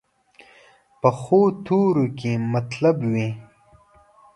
پخو تورو کې مطلب وي